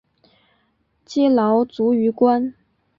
积劳卒于官。